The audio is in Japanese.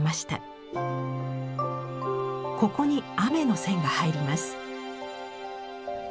ここに雨の線が入ります。